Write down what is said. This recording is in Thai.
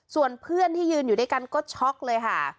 ส่วนเพื่อนที่ยืนอยู่ด้วยกันก็ช็อกเลยค่ะ